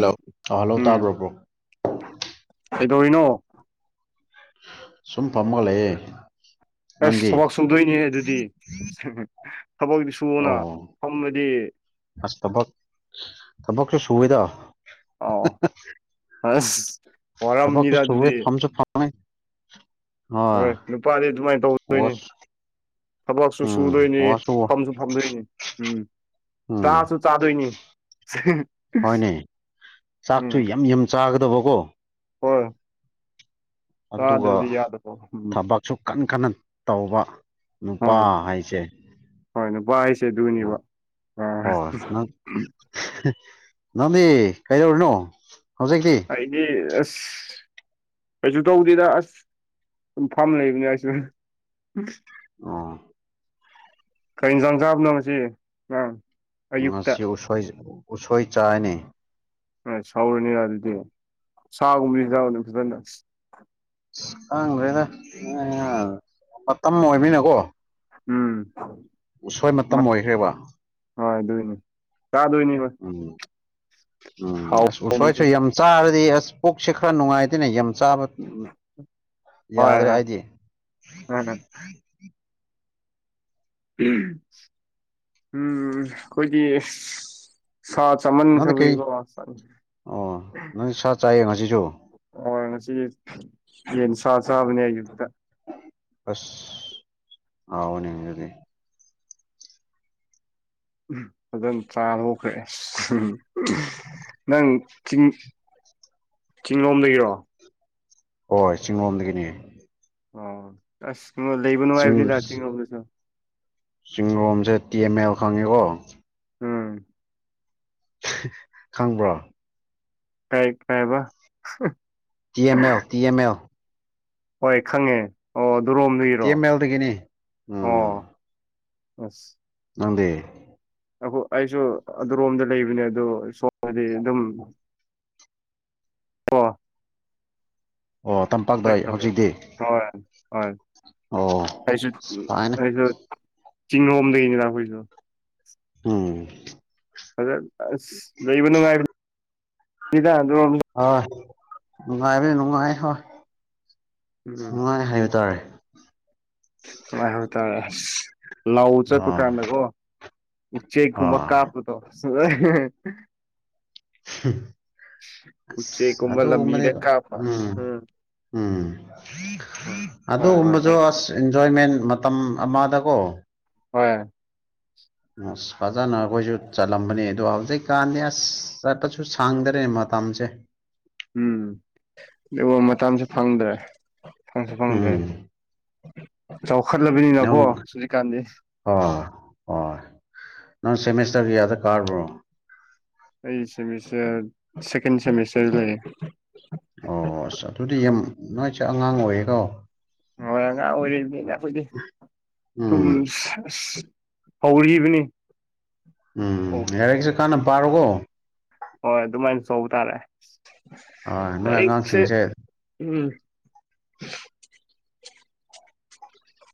Hello hello ꯎꯝ ꯇꯥꯕ꯭ꯔꯣꯕ꯭ꯔꯣ ꯀꯩꯗꯧꯔꯤꯅꯣ ꯁꯨꯝ ꯄꯝꯕꯂꯦ ꯑꯁ ꯊꯕꯛ ꯁꯨꯗꯣꯏꯅꯦ ꯑꯗꯨꯗꯤ ꯊꯕꯛꯇ ꯁꯨꯅ ꯑꯣ ꯐꯝꯕꯗꯤ ꯑꯁ ꯊꯕꯛ ꯊꯕꯛꯁꯨ ꯁꯨꯋꯦꯗ ꯑꯥꯎ ꯑ ꯋꯥꯔꯝꯅꯤꯗ ꯑꯗꯨꯗꯤ ꯍ ꯍꯣꯏ ꯅꯨꯄꯥꯗꯤ ꯑꯗꯨꯃꯥꯏꯅ ꯇꯧꯗꯣꯏꯅꯤ ꯋꯥꯁ ꯊꯕꯛꯁꯨ ꯎꯝ ꯁꯨꯗꯣꯏꯅꯤ ꯋꯥꯁꯨ ꯐꯝꯁꯨ ꯐꯝꯗꯣꯏꯅꯤ ꯎꯝ ꯎꯝ ꯆꯥꯁꯨ ꯆꯥꯗꯣꯏꯅꯤ ꯍꯣꯏꯅꯦ ꯆꯥꯛꯁꯨ ꯎꯝ ꯌꯥꯝ ꯌꯥꯝ ꯆꯥꯒꯗꯕꯀꯣ ꯍꯣꯏ ꯑꯗꯨꯒ ꯆꯥꯗ꯭ꯔꯗꯤ ꯌꯥꯗꯕ ꯎꯝ ꯊꯕꯛꯁꯨ ꯀꯟꯅ ꯀꯟꯅ ꯇꯧꯕ ꯅꯨꯄꯥ ꯑꯥ ꯍꯥꯏꯁꯦ ꯍꯣꯏ ꯅꯨꯄꯥ ꯍꯥꯏꯁꯦ ꯑꯗꯨꯅꯦꯕ ꯑꯥ ꯅꯃꯤ ꯀꯩꯗꯧꯔꯤꯅꯣ ꯍꯧꯖꯤꯛꯇꯤ ꯑꯩꯗꯤ ꯑꯁ ꯀꯩꯁꯨ ꯇꯧꯗꯦꯗ ꯑꯁ ꯁꯝ ꯐꯥꯝ ꯂꯩꯕꯅꯤ ꯑꯩꯁꯨ ꯑꯥ ꯀꯔꯤ ꯏꯟꯁꯥꯡ ꯆꯥꯕꯅꯣ ꯉ ꯑꯪ ꯃꯁꯤ ꯎꯁꯣꯏ ꯎꯁꯣꯏ ꯆꯥꯏꯅꯤ ꯑ ꯁꯥꯎꯔꯅꯤꯅ ꯑꯗꯨꯗꯤ ꯁꯥꯒꯨꯝꯕꯕꯁꯤ ꯆ ꯑꯗꯨ ꯐꯖꯅ ꯈꯥꯡꯗ꯭ꯔꯦꯗ ꯃꯇꯝ ꯑꯣꯏꯅꯤꯅꯀꯣ ꯎꯝ ꯎꯁꯣꯏ ꯃꯇꯝ ꯑꯣꯏꯈ꯭ꯔꯦꯕ ꯍꯣꯏ ꯗꯣꯏꯅꯤ ꯀꯥ ꯗꯣꯏꯅꯤꯁ ꯎꯝ ꯎꯝ ꯑꯗꯨꯁꯨ ꯎꯁꯣꯏ ꯌꯥꯝ ꯆꯥꯔꯗꯤ ꯑꯁ ꯄꯣꯛꯁꯦ ꯈꯔ ꯅꯨꯡꯉꯥꯏꯇꯦꯅꯦ ꯌꯥꯝ ꯆꯥꯕ ꯍꯣꯏ ꯌꯥꯗ꯭ꯔꯦ ꯍꯣꯏ ꯑꯩꯗꯤ ꯎꯝꯝ ꯎꯝ ꯑꯩꯈꯣꯏꯒꯤ ꯁꯥ ꯆꯃꯟ ꯅꯪꯅ ꯀꯩ ꯀꯕꯤꯒꯣ ꯑꯣ ꯅꯪ ꯁꯥ ꯆꯥꯏꯌꯦ ꯉꯁꯤꯁꯨ ꯑꯣ ꯉꯁꯤ ꯌꯦꯟ ꯁꯥ ꯆꯥꯕꯅꯦ ꯑꯌꯨꯛꯇ ꯑꯁ ꯑꯣꯅꯤꯗꯤ ꯑꯗꯨꯝ ꯆꯥ ꯍꯧꯈ꯭ꯔꯦ ꯎ ꯅꯪ ꯆꯤꯡ ꯆꯤꯡꯂꯣꯝꯗꯒꯤꯔꯣ ꯍꯣꯏ ꯆꯤꯡꯂꯣꯝꯗꯒꯤꯅꯦ ꯑꯣ ꯑꯁꯣ ꯂꯩꯕꯅꯣ ꯍꯥꯏꯕꯅꯤꯗꯇꯤꯡꯉꯗꯁꯨ ꯆꯤꯡꯡꯂꯣꯝꯁꯦ ꯇꯤ ꯑꯦꯝ ꯑꯦꯜ ꯈꯪꯉꯤꯀꯣ ꯎꯝ ꯈꯪꯕ꯭ꯔꯣ ꯇꯥꯏ ꯀꯥꯏꯕ T M F T M F ꯍꯣꯏ ꯈꯪꯉꯦ ꯑꯣ ꯇꯤ ꯑꯗꯨꯔꯣꯝꯗꯨꯏꯔꯣ ꯑꯦꯝ ꯑꯦꯜꯗꯒꯤꯅꯤ ꯑꯣ ꯑꯁ ꯅꯪꯗꯦ ꯑꯩꯈꯣꯏ ꯑꯩꯁꯨ ꯑꯗꯨꯔꯣꯝꯗ ꯂꯩꯕꯅꯦ ꯑꯗꯨꯣ ꯁꯣꯝꯗꯗꯤ ꯑꯗꯨꯝ ꯑꯣ ꯑꯣ ꯇꯝꯄꯥꯛꯇ ꯆ ꯍ ꯍꯧꯖꯤꯛꯇꯤ ꯍꯣꯏ ꯑꯣ ꯑꯩꯁꯨ ꯐꯥꯏꯅ ꯑꯩꯁꯨ ꯆꯤꯡꯔꯣꯝꯗꯒꯤꯅꯤꯅ ꯑꯩꯈꯣꯏꯁꯨ ꯎꯝ ꯑ ꯂꯩꯩꯕ ꯅꯨꯡꯉꯥꯏꯕ ꯏꯗ ꯑꯗꯨ ꯍꯣꯏ ꯅꯨꯡꯉꯥꯏꯕꯤ ꯅꯨꯡꯉꯥꯏ ꯍꯣꯏ ꯎꯝ ꯅꯨꯡꯉꯥꯏ ꯍꯥꯏꯕ ꯇꯥꯔꯦ ꯂ ꯇꯔꯦ ꯑꯁ ꯂꯥꯎ ꯆꯠꯄ ꯑꯥ ꯀꯥꯟꯗꯀꯣ ꯎ ꯎꯆꯦꯛ ꯑꯥ ꯈꯨꯃꯀꯥꯞꯣꯗ ꯎꯆꯦꯛꯀꯨꯝꯕ ꯑꯇꯣ ꯃꯅꯦ ꯂꯝꯕꯤꯗ ꯀꯥꯞꯄ ꯎꯝ ꯎꯝ ꯎꯝ ꯍꯣꯏ ꯍꯣꯏ ꯍꯥꯏ ꯑꯗꯨꯕꯁꯨꯣ ꯑꯁ ꯑꯦꯟꯖꯣꯏꯃꯦꯟ ꯃꯇꯝ ꯑꯃꯗꯀꯣ ꯍꯣꯏ ꯑꯁ ꯐꯖꯅ ꯑꯩꯈꯣꯏꯁꯨ ꯆꯠꯂꯝꯕꯅꯦ ꯑꯗꯣ ꯍꯧꯖꯤꯛꯀꯥꯟꯗꯤ ꯑꯁ ꯆꯠꯄꯁꯨ ꯁꯥꯡꯗꯔꯦ ꯃꯇꯝꯁꯦ ꯎꯝ ꯃꯇꯝꯁꯨ ꯐꯪꯗ꯭ꯔꯦ ꯐꯪꯁꯨ ꯐꯪꯗ꯭ꯔꯦ ꯎꯝ ꯆꯥꯎꯈꯠꯂꯕꯅꯤꯅꯀꯣ ꯁ꯭ꯔꯤꯀꯥꯟꯗꯤ ꯍꯣꯏ ꯍꯣꯏ ꯅꯪ ꯁꯦꯃꯤꯁꯇꯔꯒꯤ ꯑꯗ ꯀꯥꯔꯕ꯭ꯔꯣ ꯑꯩꯠ ꯁꯤꯦꯃꯤꯁꯇꯔ ꯁꯀꯦꯟ ꯁꯤꯦꯃꯤꯁꯇꯔ ꯂꯩꯌꯦ ꯑꯣ ꯑꯁ ꯑꯗꯨꯗꯤ ꯌꯥꯝ ꯅꯨꯡꯉꯥꯏꯁꯦ ꯑꯉꯥꯡ ꯑꯣꯏꯌꯦꯦꯀꯣ ꯍꯣꯏ ꯑꯉꯥꯡ ꯑꯣꯏꯅꯤꯅ ꯑꯩꯈꯣꯏꯗꯤ ꯊꯨꯝ ꯎꯝ ꯍꯧꯔꯤꯕꯅꯤ ꯎꯝ ꯌꯥꯔꯤꯛꯁꯨ ꯀꯥꯟꯅ ꯄꯥꯔꯣꯒꯣ ꯍꯣꯏ ꯑꯗꯨꯃꯥꯏꯅ ꯇꯧꯕ ꯇꯥꯔꯦ ꯍꯣꯏ ꯅꯣꯏ ꯂꯥꯏꯔꯤꯛꯁꯦ ꯑꯉꯥꯡꯁꯤꯡꯁꯦ ꯎꯝ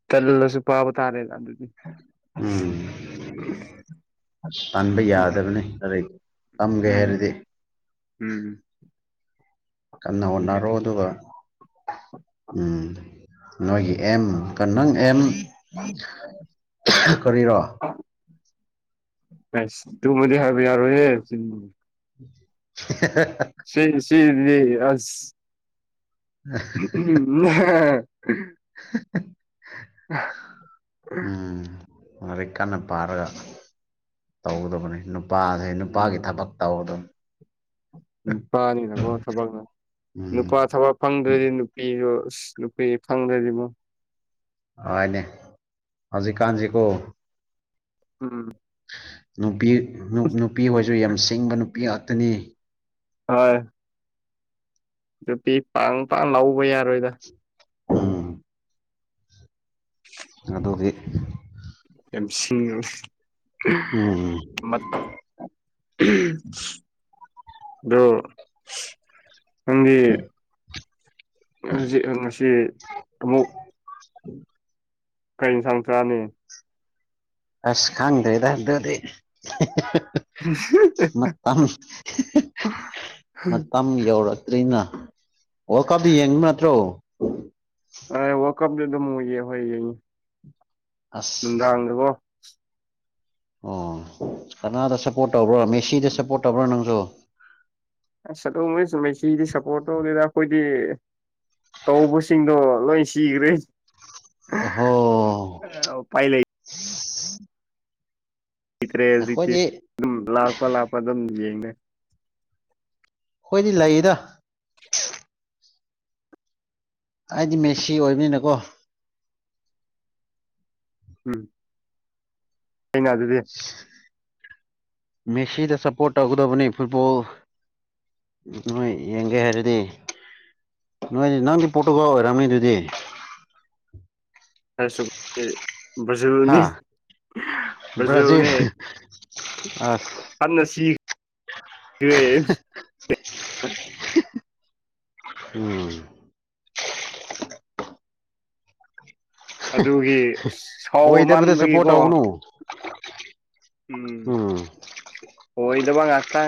ꯇꯜ ꯂꯁꯨ ꯄꯕ ꯇꯥꯔꯦ ꯇꯥ ꯑꯗꯨꯗꯤ ꯎꯝ ꯇꯥꯟꯕ ꯎꯝ ꯌꯥꯗꯕꯅꯤ ꯀ ꯇꯝꯒꯦ ꯎꯝ ꯍꯥꯏꯔꯗꯤ ꯎꯝ ꯀꯟꯅ ꯍꯣꯠꯅꯔꯣ ꯑꯗꯨꯒ ꯎ ꯅꯣꯏꯒꯤ ꯑꯦꯝ ꯀ ꯅꯪ ꯑꯦꯝ ꯀꯔꯤꯔꯣ ꯁ ꯇꯨꯃꯗꯤ ꯍꯥꯏꯕ ꯌꯥꯔꯣꯏꯍꯦ [inaudible] ꯁꯤ ꯁꯤ ꯂꯩ ꯑꯁ ꯎꯝ ꯎ ꯎꯝ ꯂꯥꯏꯔꯤꯛ ꯀꯟꯅ ꯄꯥꯔꯒ ꯇꯧꯒꯗꯕꯅꯤ ꯅꯨꯄꯥꯁꯩ ꯅꯨꯄꯥꯒꯤ ꯊꯕꯛ ꯇꯧ ꯑꯗꯨꯝ ꯅꯨꯄꯥꯅꯤꯗꯀꯣ ꯊꯕꯛ ꯎꯝ ꯅꯨꯨꯄꯥ ꯊꯕꯛ ꯐꯪꯗ꯭ꯔꯗꯤ ꯅꯨꯄꯤꯗꯣ ꯑꯁ ꯅꯨꯄꯤ ꯐꯪꯗ꯭ꯔꯗꯤꯃ ꯑꯏꯅꯦ ꯍꯧꯖꯤꯛ ꯀꯥꯟꯖꯤ ꯀꯧꯕ ꯎꯝ ꯅꯨꯄꯤ ꯅꯨꯄꯤ ꯍꯣꯏꯁꯨ ꯌꯥꯝ ꯁꯤꯡꯕ ꯅꯨꯄꯤ ꯉꯥꯛꯇꯅꯤ ꯍꯣꯏ ꯅꯨꯄꯤ ꯄꯥꯡ ꯄꯥꯡ ꯂꯧꯕ ꯌꯥꯔꯣꯏꯗ ꯎꯝ ꯑꯗꯨꯗꯤ ꯌꯥꯝ ꯁꯤꯡꯉ ꯎꯝꯝ ꯃ ꯑꯗꯨ ꯅꯪꯗꯤ ꯍꯧꯖꯤꯛ ꯉꯁꯤ ꯑꯃꯨꯛ [unintelligible] ꯀꯩ ꯏꯟꯁꯥꯡ ꯆꯥꯅꯤ ꯑꯁ ꯈꯪꯗꯔꯦꯗ ꯑꯗꯨꯗꯤ ꯃꯇꯝ ꯃꯇꯝ ꯌꯧꯔꯛ ꯇ꯭ꯔꯤꯅ ꯋꯥꯜ ꯀꯞꯇꯤ ꯌꯦꯡꯕ ꯅꯠꯇ꯭ꯔꯣ ꯑ ꯋꯥꯜ ꯀꯞꯗꯨ ꯑꯗꯨꯝ ꯌꯦꯡꯉꯦ ꯍꯣꯏ ꯌꯦꯡꯉꯤ ꯑꯁ ꯅꯨꯡꯗꯥꯡꯒꯀꯣ ꯑꯣ ꯀꯅꯥꯗ ꯁꯞꯄꯣꯔꯠ ꯇꯧꯕ꯭ꯔꯣ ꯃꯦꯁꯤꯗ ꯁꯞꯄꯣꯔꯠ ꯇꯧꯕ꯭ꯔꯣ ꯅꯪꯁꯨ ꯑꯁ ꯑꯗꯨꯒꯨꯝꯕꯩ ꯃꯦꯁꯤꯗꯤ ꯁꯞꯄꯣꯔꯠ ꯇꯧꯗꯦꯗ ꯑꯩꯈꯣꯏꯗꯤ ꯇꯧꯕꯁꯤꯡꯗꯣ ꯂꯣꯏ ꯁꯤꯈ꯭ꯔꯦ ꯑꯍꯣ ꯎꯄꯥꯏ ꯂꯩ ꯇ꯭ꯔꯦ ꯍꯧꯖꯤꯛꯇꯤ ꯑꯩꯈꯣꯏꯗꯤ ꯑꯗꯨꯝ ꯂꯥꯛꯄ ꯂꯥꯛꯄ ꯑꯗꯨꯝ ꯌꯦꯡꯉꯦ ꯑꯩꯈꯣꯏꯗꯤ ꯂꯩꯗ ꯑꯩꯗꯤ ꯃꯦꯁꯤ ꯑꯣꯏꯕꯅꯤꯅꯀꯣ ꯎꯝ ꯐꯩꯅ ꯑꯗꯨꯗꯤ ꯃꯦꯁꯤꯗ ꯁꯞꯄꯣꯔꯠ ꯇꯧꯒꯗꯕꯅꯤ ꯐꯨꯠꯕꯣꯜ ꯅꯣꯏ ꯌꯦꯡꯒꯦ ꯍꯥꯏꯔꯗꯤ ꯅꯣꯏꯗꯤ ꯅꯪꯗꯤ ꯄꯣꯇꯨꯒꯜ ꯑꯣꯏꯔꯝꯅꯤ ꯑꯗꯨꯗꯤ ꯍꯥꯏꯁꯨ ꯑꯦ ꯕ꯭ꯔꯖꯤꯜꯅꯤ ꯍꯥ ꯕ꯭ꯔꯥꯖꯤꯜ ꯕ꯭ꯔꯥꯖꯤꯜꯅꯦ ꯑꯁ ꯍꯟꯅ ꯁꯤꯈ꯭ꯔꯦ [unintelligible] ꯎꯝ ꯑꯗꯨꯒꯤ ꯑꯁ ꯑꯣꯏꯗꯕꯗ ꯁꯄꯣꯠ ꯁꯥꯎꯃꯟꯕꯒꯤꯀꯣ ꯇꯧꯒꯅꯨ ꯎꯝ ꯑꯣꯏꯗꯕ ꯉꯥꯛꯇ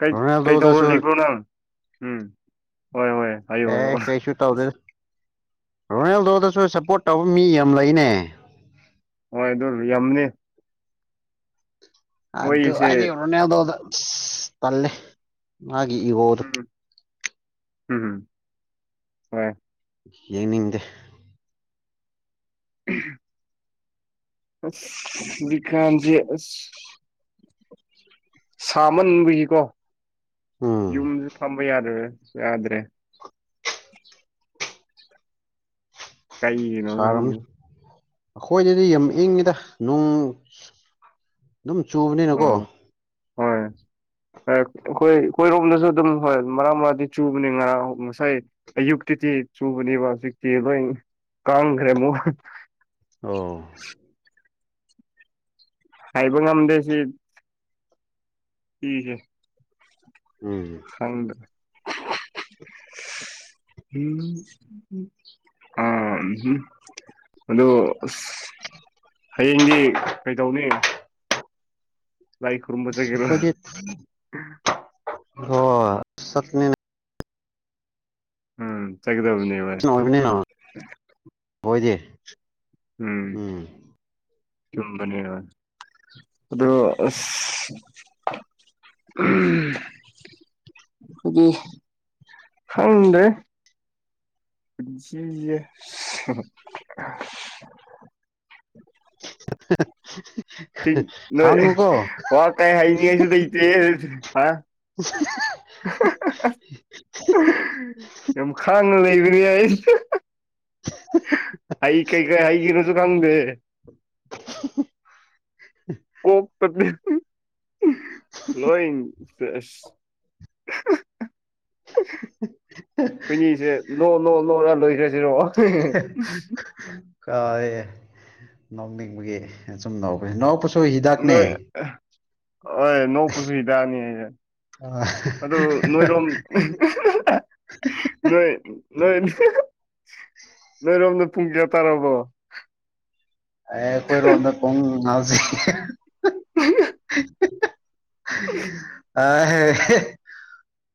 ꯀꯩ ꯀꯩꯇꯧꯔ ꯔꯣꯅꯥꯜꯗꯣꯗꯁꯨ ꯂꯩꯕ꯭ꯔꯣ ꯅꯪ ꯎꯝ ꯍꯣꯏ ꯍꯣꯏ ꯍꯥꯏꯌꯣ ꯍꯥꯏꯌꯣ ꯑꯦ ꯀꯩꯁꯨ ꯇꯧꯗꯦꯗ ꯔꯣꯅꯥꯜꯗꯣꯗꯁꯨ ꯁꯞꯄꯣꯔꯠ ꯇꯧꯕ ꯃꯤ ꯌꯥꯝ ꯂꯩꯅꯦ ꯍꯣꯏ ꯑꯗꯨ ꯌꯥꯝꯅꯤ ꯑꯗꯨ ꯃꯣꯏꯁꯦ ꯑꯩꯗꯤ ꯔꯣꯅꯥꯜꯗꯣꯗ ꯇꯜꯂꯦ ꯃꯥꯒꯤ ꯏꯒꯣꯗꯨ ꯎꯝ ꯎꯝ ꯍꯣꯏ ꯌꯦꯡꯅꯤꯡꯗꯦ ꯎꯝ ꯑꯁ ꯍꯧꯖꯤꯛꯀꯥꯟꯗꯤ ꯑꯁ ꯁꯥꯃꯟꯕꯒꯤꯀꯣ ꯎꯝ ꯌꯨꯝꯗꯖꯨ ꯐꯝꯕ ꯌꯥꯗ꯭ꯔꯦ ꯌꯥꯗ꯭ꯔꯦ ꯀꯩꯒꯤꯅꯣ ꯁꯥꯔꯝꯅꯤ ꯈꯪꯗꯦ ꯑꯩꯈꯣꯏꯗꯗꯤ ꯌꯥꯝ ꯏꯪꯉꯤꯗ ꯅꯣꯡ ꯑꯗꯨꯝ ꯆꯨꯕꯅꯤꯅꯀꯣ ꯑꯣ ꯍꯣꯏ ꯑꯩꯈꯣꯏ ꯑꯩꯈꯣꯏꯔꯣꯝꯗꯁꯨ ꯑꯗꯨꯝ ꯍꯣꯏ ꯃꯔꯛ ꯃꯔꯛꯇꯤ ꯆꯨꯕꯅꯤ ꯉꯔꯥꯡ ꯉꯁꯥꯏ ꯑꯌꯨꯛꯇꯗꯤ ꯆꯨꯕꯅꯦꯕ ꯍꯧꯖꯤꯛꯇꯤ ꯂꯣꯏ ꯀꯪꯈ꯭ꯔꯦ ꯑꯃꯨꯛ ꯑꯣ ꯍꯥꯏꯕ ꯉꯝꯗꯦ ꯁꯤ ꯁꯤꯖꯦ ꯎꯝ ꯈꯪꯗꯦ [unintelligible] ꯑꯥ ꯍꯝ ꯑꯗꯨ ꯑꯁ ꯍꯌꯦꯡꯗꯤ ꯀꯩꯗꯧꯅꯤ ꯂꯥꯏ ꯈꯨꯔꯨꯝꯕ ꯆꯠꯒꯦꯔꯥ ꯑꯩꯈꯣꯏꯗꯤ ꯍꯣꯏ ꯆꯠꯅꯤꯅꯦ ꯎꯝ ꯆꯠꯀꯗꯧꯕꯅꯤ ꯅꯨꯡꯉꯥꯏꯕꯅꯤꯅ ꯑꯩꯈꫭꯏꯗꯤ ꯎꯝ ꯆꯨꯝꯕꯅꯦꯕ ꯑꯗꯣ ꯑꯁ ꯎꯝ ꯑꯗꯨ ꯈꯪꯗ‌ꯦꯍ‌ꯦ ꯖꯤ [unintelligible] [inaudible] ꯁꯤ [unintelligible] [inaudible] ꯅꯣꯏ ꯈꯥꯡꯉꯨ ꯀꯣ ꯋꯥ ꯀꯩ ꯍꯥꯏꯅꯤꯡꯉꯥꯏꯁꯨ ꯂꯩꯇꯦ ꯍꯥ [unintelligible] [inaudible] ꯌꯥꯝ ꯈꯥꯡꯅ ꯂꯩꯕꯅꯦ ꯑꯩꯁꯨ ꯑꯩ ꯀꯩ ꯀꯥꯏ ꯑꯏꯒꯤ ꯅꯁꯨ ꯈꯪꯗꯦ [unintelligible] [inaudible] ꯑꯣ [unintelligible] [inaudible] ꯂꯣꯏ ꯐꯦꯁ ꯑꯩꯈꯣꯏꯅꯤꯁꯦ ꯅꯣ ꯅꯣ ꯅꯣ ꯂ ꯂꯣꯏꯁꯦ ꯅ‌ꫭꯛꯅꯤꯡꯕꯒꯤ ꯁꯨꯝ ꯅ‌ꫭꯛꯄ ꯅꯥꯎꯛꯄꯁꯨ ꯍꯤꯗꯥꯛꯅꯦ ꯅꯣꯏ ꯍꯣꯏ ꯅꯣꯛꯄꯁꯨ ꯍꯤꯗꯥꯥꯛꯅꯤ ꯌ‌ꯦ ꯑꯦ ꯑꯗꯨ ꯅꯣꯏꯔꯣꯝ ꯅꯣꯏ ꯅ‌ꫭꯏ ꯅꯣꯏꯔꯣꯝꯗ ꯄꯨꯡ ꯀꯌꯥ ꯇꯥꯔꯕꯣ ꯑꯦ ꯑꯩꯈꯣꯏꯔꯣꯝꯗ ꯄꯨꯡ ꯉꯥꯎꯁ‌ꯦ [inaudible] ꯎ [unintelligible] ꯑꯍ‌ꯦ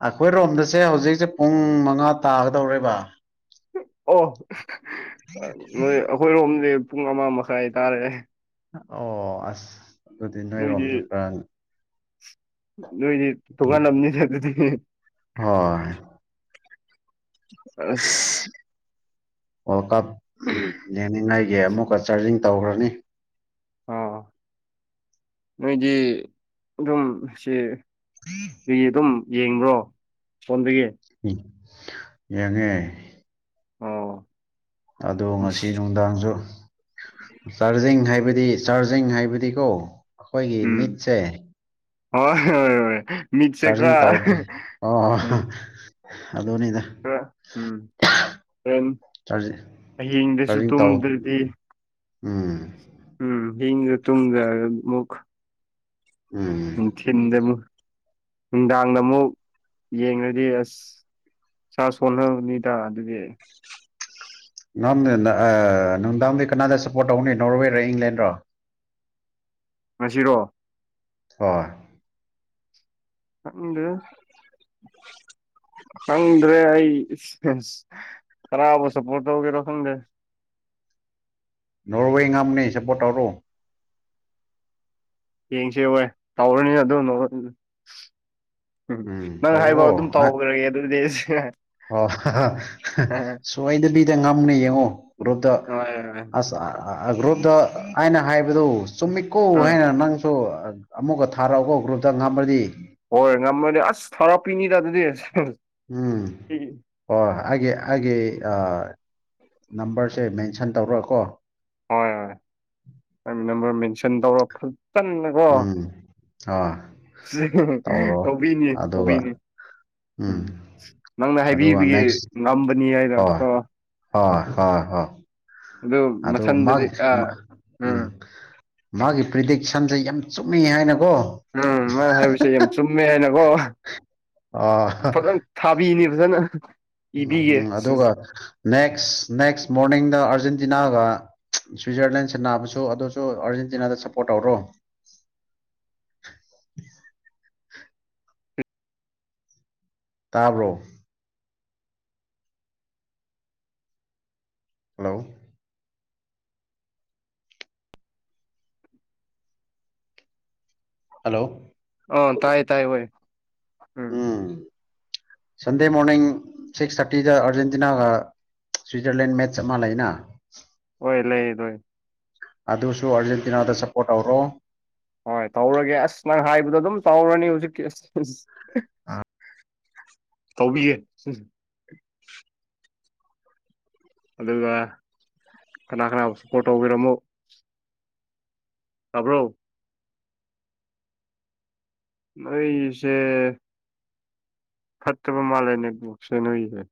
ꯑꯩꯈꯣꯏ ꯔꯣꯝꯗꯁꯦ ꯍꯧꯖꯤꯛꯁꯦ ꯄꯨꯡ ꯃꯉꯥ ꯇꯥꯒꯗꯧꯔ‌ꯦꯕ ꯑꯣ ꯅꯣꯏ ꯑꯩꯈꯣꯏꯔꯣꯝꯗꯤ ꯄꯨꯡ ꯑꯃ ꯃꯈꯥꯏ ꯇꯥꯔꯦ ꯑꯣ ꯑꯁ ꯑꯗꯨꯗꯤ ꯅꯣꯏꯗꯤ ꯅꯣꯏꯔꯣꯝꯗ ꯈꯔ ꯅꯣꯏꯗꯤ ꯊꯣꯉꯥꯟꯂꯝꯅꯤ ꯑꯗꯨꯗꯤ ꯍꯣꯏ ꯑꯁ ꯑꯣ ꯀꯞ [unintelligible] ꯌꯦꯡꯅꯤꯡꯉꯥꯏꯒꯤ ꯑꯃꯨꯛꯀ ꯆꯥꯔꯖꯤꯡ ꯇꯧꯈ꯭ꯔꯅꯤ ꯑꯣ ꯅꯣꯏꯗꯤ ꯑꯗꯨꯝ ꯁ‌ꯦ ꯎ [unintelligible] ꯑꯩ ꯑꯗꯨꯝ ꯌꯦꯡꯕ꯭ꯔꯣ ꯐꯣꯟꯗꯒꯤ ꯑꯝ ꯌꯦꯡꯉꯦ ꯑꯣ ꯑꯗꯣ ꯉꯁꯤ ꯑꯁ ꯅꯨꯡꯗꯥꯡꯁꯨ ꯆꯥꯔꯖꯤꯡ ꯍꯥꯏꯕꯗꯤ ꯆꯥꯔꯖꯤꯡ ꯍꯥꯏꯕꯗꯤꯀꯣ ꯑꯩꯈꯣꯏꯒꯤ ꯃꯤꯠꯁꯦ ꯑ‌ꫭꯏ ꯍ‌ꫭꯏ ꯍ‌ꫭꯏ ꯆꯥꯔꯖꯤꯡ ꯇꯧꯗ꯭ꯔꯦ ꯑꯣ ꯎꯝ ꯑꯗꯨꯅꯤꯗ ꯆꯥꯔꯖꯤꯡ [inaudible] ꯑꯍꯤꯡꯗꯁꯨ ꯆꯥꯔꯖꯤꯡ ꯇꯧ ꯇꯨꯝꯗ꯭ꯔꯗꯤ ꯎꯝ ꯎꯝ ꯍꯤꯡꯗ ꯇꯨꯝꯗꯃꯨꯛ ꯎꯝ ꯅꯨꯡꯊꯤꯟꯗ ꯃꯨꯛ ꯅꯨꯡꯗꯥꯡꯗ ꯃꯨꯛ ꯌꯦꯡꯉꯗꯤ ꯑꯁ ꯏꯁꯥ ꯁꯣꯟꯂꯛꯅꯤꯗ ꯑꯗꯨꯒꯤ ꯅꯝ ꯅꯨꯡꯗꯥꯡꯗꯤ ꯀꯅꯥꯗ ꯁꯞꯄꯣꯔꯠ ꯇꯧꯅꯤ ꯅꯣꯔꯋꯦꯔꯣ ꯏꯪꯂꯦꯟꯔꯣ ꯉꯁꯤꯔꯣ ꯍ‌ꫭꯏ ꯈꯪꯗ꯭ꯔꯦ ꯈꯪꯗ꯭ꯔꯦ ꯑꯩ ꯀꯅꯥꯕꯨ ꯁꯄꯣꯠ ꯇꯧꯗ‌ꫭꯏꯅ‌ꫭ ꯈꯪꯗꯦ ꯅꯣꯔꯋꯦ ꯉꯝꯅꯦ ꯁꯄ‌ꫭꯠ ꯇꯧꯔꯣ ꯌꯦꯡꯁꯦ ꯍꯣꯏ ꯇꯧꯔꯅꯤꯅ ꯑꯗꯨ [unintelligible] ꯎꯝ ꯅꯪ ꯍꯥꯏꯕꯥꯎ ꯑꯗꯨꯝ ꯇꯧꯔꯣ ꯑ ꯇꯧꯈ꯭ꯔꯒꯦ ꯑꯗꯨꯗꯤ ꯑꯣ ꯁꯣꯏꯗꯕꯤꯗ ꯉꯝꯅꯦ ꯌꯦꯡꯉꯣ ꯒ꯭ꯔꯨꯞꯇ ꯍꯣꯏ ꯍꯣꯏ ꯑꯁ ꯒ꯭ꯔꯨꯞꯇ ꯑꯩꯅ ꯍꯥꯏꯕꯗꯨ ꯆꯨꯝꯃꯤꯠꯀꯣ ꯎꯝ ꯍꯥꯏꯅ ꯅꯪꯁꯨ ꯑꯃꯨꯛꯀ ꯊꯥꯔꯛꯑꯣꯀꯣ ꯒ꯭ꯔꯨꯞꯇ ꯉꯃ꯭ꯔꯗꯤ ꯍꯣꯏ ꯉꯝꯃꯗꯤ ꯑꯁ ꯊꯧꯔꯛꯄꯤꯅꯤꯗ ꯑꯗꯨꯗꯤ ꯎꯝ꯫ ꯍꯣꯏ ꯍꯣꯏꯣꯏ ꯑꯩꯒꯤ ꯑꯩꯒꯤ ꯅꯝꯕꯔꯁꯦ ꯃꯦꯟꯁꯟ ꯇꯧꯔꯑꯣꯀꯣ꯫ ꯍꯣꯏ ꯍꯣꯏ ꯅꯝꯕꯔ ꯃꯦꯟꯁꯟ ꯇꯧꯔ ꯐꯖꯅ ꯑꯣ ꯎꯝ ꯑꯥ ꯇꯧꯔꯣ ꯇꯧꯕꯤꯅꯤ ꯑꯗꯨꯒ ꯇꯧꯕꯤꯅꯤ ꯎꯝ ꯅꯪꯅ ꯑꯗꯨꯒ ꯍꯥꯏꯕꯤꯕꯒꯦ ꯅꯦꯛꯁ ꯉꯝꯕꯅꯤ ꯍꯥꯏꯅ ꯍꯣꯏ ꯑꯣ ꯍꯣꯏ ꯍꯣꯏ ꯍꯣꯏ ꯑꯗꯨ ꯑꯗꯣ ꯃꯊꯟꯗꯗꯤ ꯃꯥꯒꯤ ꯑꯥ ꯎꯝ ꯃꯥꯒꯤ ꯄ꯭ꯔꯤꯗꯤꯛꯁꯟꯁꯦ ꯌꯥꯝ ꯆꯨꯝꯃꯤ ꯍꯥꯏꯅꯀꯣ꯫ ꯎꯝ ꯃꯥ ꯍꯥꯏꯕꯁꯦ ꯌꯥꯝ ꯆꯨꯝꯃꯦ ꯍꯥꯏꯅꯀꯣ ꯑ ꯐꯖꯅ ꯊꯥꯕꯤꯅꯤ ꯐꯖꯅ ꯎꯝ ꯏꯕꯤꯒꯦ ꯎꯝ ꯑꯗꯨꯒ ꯅꯦꯛꯁ ꯅꯦꯛꯁ ꯃꯣꯔꯅꯤꯡꯗ ꯑꯥꯔꯖꯦꯟꯇꯤꯅꯥꯒ꯫ ꯁ꯭ꯋꯤꯖꯔꯂꯦꯟ ꯁꯟꯅꯕꯁꯨ ꯑꯗꯨꯁꯨ ꯑꯥꯔꯖꯦꯟꯇꯤꯅꯥꯗ ꯁꯞꯄꯣꯔꯠ ꯇꯧꯔꯣ꯫ ꯇꯥꯕ꯭ꯔꯣ꯫ ꯍꯜꯂꯣ꯫ ꯍꯜꯂꯣ꯫ ꯑꯣ ꯇꯥꯏ ꯇꯥꯏ ꯍꯣꯏ꯫ ꯎꯝ ꯁꯟꯗꯦ ꯃꯣꯔꯅꯤꯡ ꯁꯤꯛꯁ ꯊꯥꯔꯇꯤꯗ ꯑꯔꯖꯦꯟꯇꯤꯅꯥ ꯁ꯭ꯋꯤꯖꯔꯂꯦꯟ ꯃꯦꯠꯆ ꯑꯃ ꯂꯩꯅ꯫ ꯍꯣꯏ ꯂꯩ ꯂꯣꯏ ꯑꯗꯨꯁꯨ ꯑꯔꯖꯦꯟꯇꯤꯅꯥꯗ ꯁꯄꯣꯔꯠ ꯇꯧꯔꯣ꯫ ꯍꯣꯏ ꯇꯧꯔꯒꯦ ꯑꯁ ꯅꯪ ꯍꯥꯏꯕꯗꯣ ꯑꯗꯨꯝ ꯇꯧꯔꯅꯤ ꯍꯧꯖꯤꯛꯀꯤ ꯑꯁ ꯇꯧꯕꯤꯌꯦ ꯑꯗꯨꯒ ꯀꯅꯥ ꯀꯅꯥꯕꯨ ꯁꯄꯣꯔꯠ ꯇꯧꯕꯤꯔꯝꯃꯨ ꯇꯥꯕ꯭ꯔꯣ꯫ ꯑꯩꯏꯁꯦ꯫ ꯐꯠꯇꯕ ꯃꯂꯥꯏꯅ ꯀꯣꯛꯁꯦ [unintelligible]